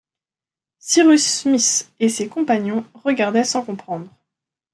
Cyrus Smith et ses compagnons regardaient sans comprendre.